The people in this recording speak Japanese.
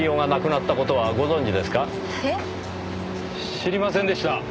知りませんでした。